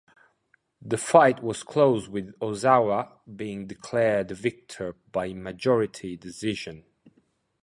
The fight was close with Ozawa being declared the victor by majority decision.